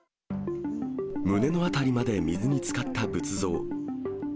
胸の辺りまで水につかった仏像。